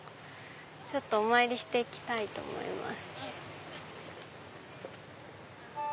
ちょっとお参りしていきたいと思います。